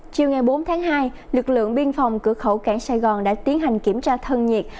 chiều ngày bốn tháng hai lực lượng biên phòng cửa khẩu cảng sài gòn đã tiến hành kiểm tra thân nhiệt